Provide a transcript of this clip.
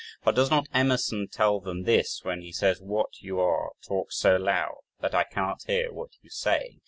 For does not Emerson tell them this when he says "What you are talks so loud, that I cannot hear what you say"?